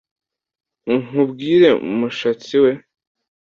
nkubwire mushatsi we